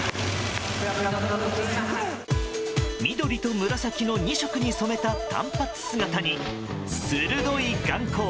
緑と紫の２色に染めた短髪姿に鋭い眼光。